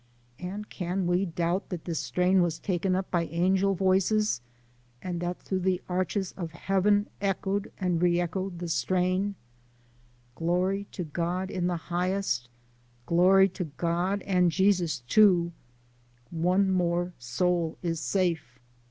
And can we doubt that the strain was taken up by angel voices, and that through the arches of Heaven echoed and re echoed the strain : Glory to God in the Highest, Glory to God and Jesus too, One more soul is safe.